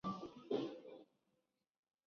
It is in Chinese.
买这本书的再版